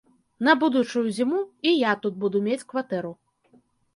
На будучую зіму і я тут буду мець кватэру.